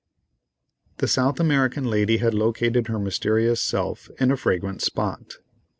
The South American lady had located her mysterious self in a fragrant spot.